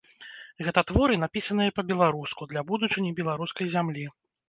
Гэта творы, напісаныя па-беларуску, для будучыні беларускай зямлі.